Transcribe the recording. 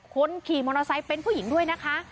คนขี่มอเตอร์ไซค์เป็นผู้หญิงด้วยนะคะ